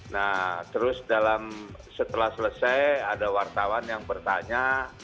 nah terus setelah selesai ada wartawan yang bertanya